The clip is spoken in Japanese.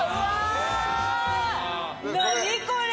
何これ？